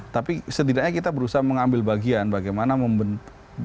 tapi setidaknya kita berusaha mengambil bagian bagaimana membentuk